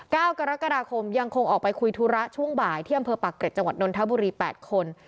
เก้ากรกฎาคมยังคงออกไปคุยธุระช่วงบ่ายที่อำเภอปากเกร็จจังหวัดนนทบุรีแปดคน